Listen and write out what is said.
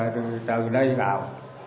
từ đây vào